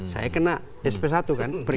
saya kena sp satu kan perintah